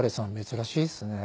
珍しいですね。